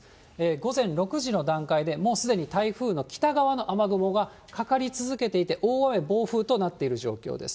午前６時の段階でもうすでに台風の北側の雨雲がかかり続けていて、大雨、暴風となっている状況です。